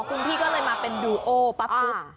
คุณพี่ก็เลยมาเป็นดูโอปั๊บปุ๊บ